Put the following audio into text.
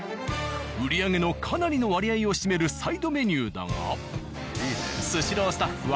売り上げのかなりの割合を占めるサイドメニューだが。